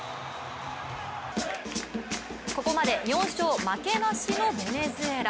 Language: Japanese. ここまで４勝負けなしのベネズエラ。